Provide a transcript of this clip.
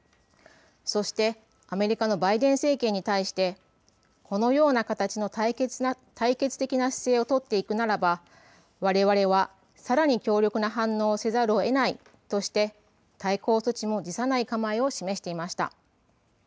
そしてアメリカのバイデン政権に対してこのような形の対決的な姿勢を取っていくならばわれわれはさらに強力な反応をせざるをえないとして対抗措置も辞さない構えを示していました。